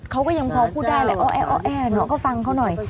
เขาก็ยังพอพูดได้แหละอ้อแอน้องก็ฟังเขาหน่อย